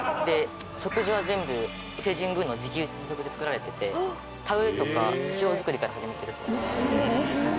食事は全部伊勢神宮の自給自足で作られてて田植えとか塩作りから始めてるそうです。